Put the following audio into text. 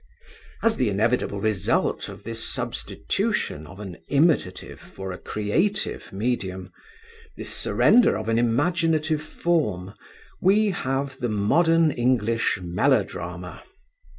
As the inevitable result of this substitution of an imitative for a creative medium, this surrender of an imaginative form, we have the modern English melodrama.